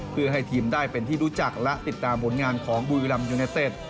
เพื่อให้ทีมได้เป็นที่รู้จักและติดตามบทงานของภูเวลามีแฟนยูเนตเต็ด